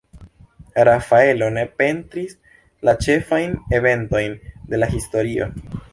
Rafaelo ne pentris la ĉefajn eventojn de la historio.